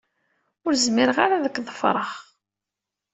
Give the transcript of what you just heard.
Ur zmireɣ ara ad k-ḍefreɣ.